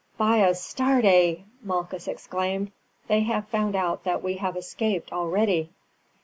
"By Astarte!" Malchus exclaimed, "they have found out that we have escaped already."